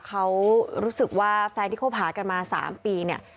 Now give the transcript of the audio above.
เขารู้สึกว่าแฟนที่คบหากันมา๓ปีเนี่ย